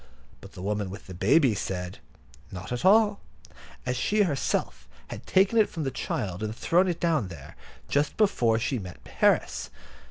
but the woman with the baby said, "Not at all," as she herself had taken it from the child, and thrown it down there, just before she met Harris.